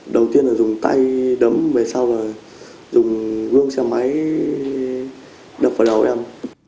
đầu tiên là dùng tay đấm về sau và dùng gương xe máy đập vào đầu em